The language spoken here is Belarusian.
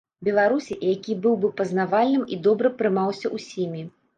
Беларусі, які быў бы пазнавальным і добра прымаўся ўсімі.